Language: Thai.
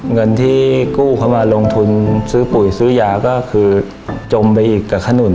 เงินที่กู้เข้ามาลงทุนซื้อปุ๋ยซื้อยาก็คือจมไปอีกกับขนุน